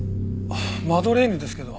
マドレーヌですけど。